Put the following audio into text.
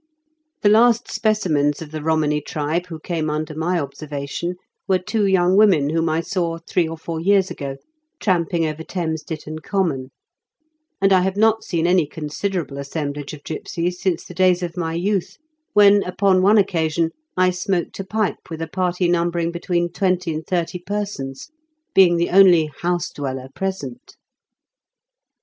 The last specimens of the Komany tribe who came under my observation were two young women whom I saw, three or four years ago, tramping over Thames Ditton Common ; and I have not seen any considerable assemblage of gipsies since the days of my youth, when, upon one occasion, I smoked a pipe with a party num bering between twenty and thirty persons, being the only " house dweller " present.